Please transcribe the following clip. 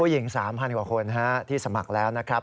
ผู้หญิง๓๐๐๐คนที่สมัครแล้วนะครับ